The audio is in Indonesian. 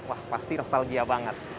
wah pasti nostalgia banget